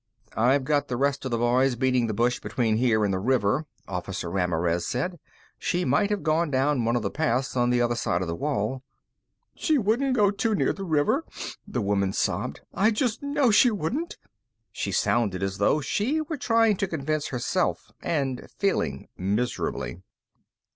"I've got the rest of the boys beating the brush between here and the river," Officer Ramirez said. "She might have gone down one of the paths on the other side of the wall." "She wouldn't go too near the river," the woman sobbed. "I just know she wouldn't." She sounded as though she were trying to convince herself and failing miserably.